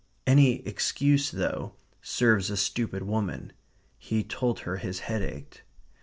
Any excuse, though, serves a stupid woman. He told her his head ached.